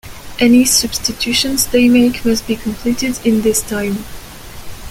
Any substitutions they make must be completed in this time.